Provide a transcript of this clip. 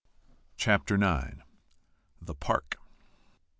CHAPTER IX. THE PARK.